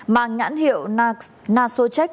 mang nhãn hiệu nasocheck